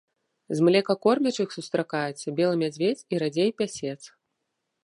З млекакормячых сустракаецца белы мядзведзь і радзей пясец.